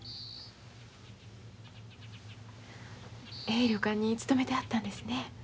ええ旅館に勤めてはったんですね。